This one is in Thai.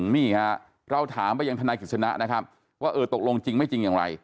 นี่ฮะเราถามไปยังธนายกิจสนะนะครับว่าเออตกลงจริงไม่จริงอย่างไร